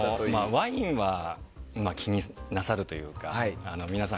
ワインは気になさるというか皆さん。